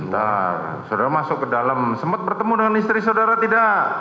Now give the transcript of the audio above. ntar saudara masuk ke dalam sempat bertemu dengan istri saudara tidak